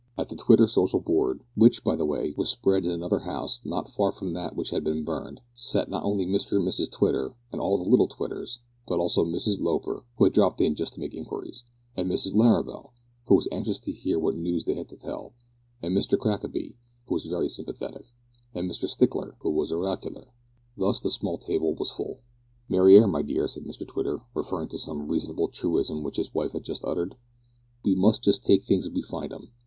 At the Twitter social board which, by the way, was spread in another house not far from that which had been burned sat not only Mr and Mrs Twitter and all the little Twitters, but also Mrs Loper, who had dropped in just to make inquiries, and Mrs Larrabel, who was anxious to hear what news they had to tell, and Mr Crackaby, who was very sympathetic, and Mr Stickler, who was oracular. Thus the small table was full. "Mariar, my dear," said Mr Twitter, referring to some remarkable truism which his wife had just uttered, "we must just take things as we find 'em.